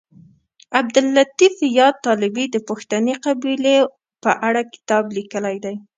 عبداللطیف یاد طالبي د پښتني قبیلو په اړه کتاب لیکلی دی